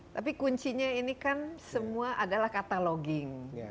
tapi kuncinya ini kan semua adalah kataloging pendataan